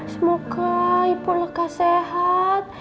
semoga ibu lega sehat